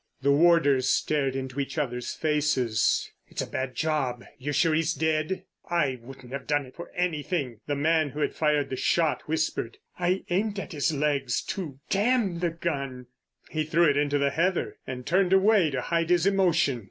The warders stared into each other's faces. "It's a bad job. You're sure he's dead——" "I wouldn't have done it for anything," the man who had fired the shot whispered. "I aimed at his legs, too. Damn the gun!" He threw it into the heather, and turned away to hide his emotion.